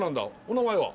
お名前は？